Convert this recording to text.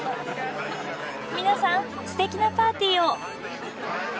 皆さんすてきなパーティーを。